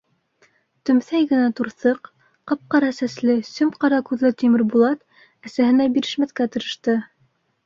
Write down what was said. Төмҫәй генә турҫыҡ, ҡап-ҡара сәсле, сөм-ҡара күҙле Тимербулат әсәһенә бирешмәҫкә тырышты.